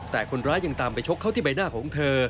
แต่คนร้ายยังตามไปชกเข้าที่ใบหน้าของเธอ